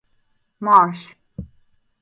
Marsh.